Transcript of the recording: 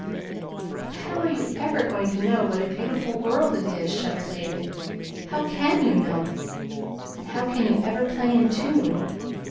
"But how are you EVER going to know what a beautiful world it is?" shuddered David. "How can you know? And how can you ever play in tune?